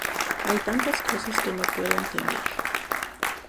Hay tantas cosas que no puedo entender.